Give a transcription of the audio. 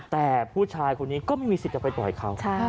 แต่ผู้ชายคนนี้ก็ไม่มีสิทธิ์จะไปต่อยเขา